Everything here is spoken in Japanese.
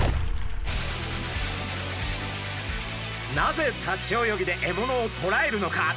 なぜ立ち泳ぎで獲物をとらえるのか？